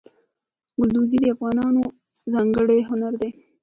ګلدوزي د افغانانو ځانګړی هنر دی.